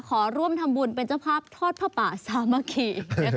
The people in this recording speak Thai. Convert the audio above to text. ขอร่วมทำบุญเป็นเจ้าภาพทอดผ้าป่าสามัคคี